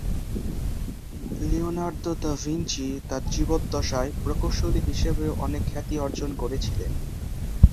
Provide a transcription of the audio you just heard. Leonardo da Vinci তার জীবদ্দশায় প্রকৌশলী হিসেবেও অনেক খ্যাতি অর্জন করেছিলেন।